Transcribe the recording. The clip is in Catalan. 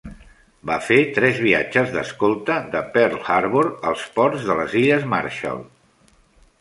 Va fer tres viatges d'escolta de Pearl Harbor als ports de les Illes Marshall.